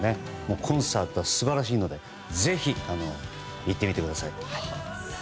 コンサートは素晴らしいのでぜひ、行ってみてください。